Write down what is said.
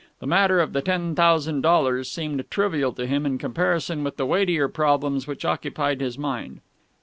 The matter of the ten thousand dollars seemed trivial to him in comparison with the weightier problems which occupied his mind.